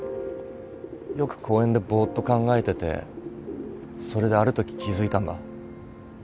よく公園でぼっと考えててそれであるとき気付いたんだ。